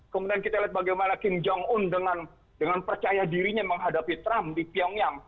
kemudian kita lihat bagaimana kim jong un dengan percaya dirinya menghadapi trump di pyongyang